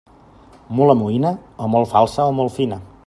Mula moïna, o molt falsa o molt fina.